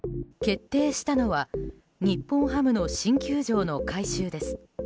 決定したのは日本ハムの新球場の改修です。